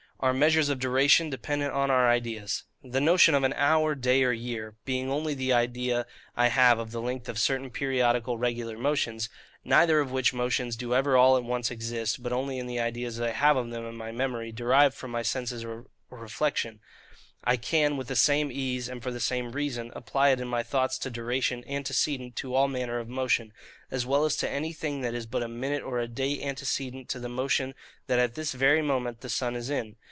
Our measures of Duration dependent on our ideas. The notion of an hour, day, or year, being only the idea I have of the length of certain periodical regular motions, neither of which motions do ever all at once exist, but only in the ideas I have of them in my memory derived from my senses or reflection; I can with the same ease, and for the same reason, apply it in my thoughts to duration antecedent to all manner of motion, as well as to anything that is but a minute or a day antecedent to the motion that at this very moment the sun is in.